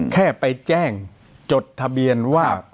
แค่ไปแจ้งจดทะเบียนว่า